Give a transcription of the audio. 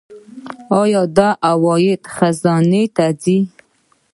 آیا دا عواید خزانې ته ځي؟